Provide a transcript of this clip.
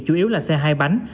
chủ yếu là xe hai bánh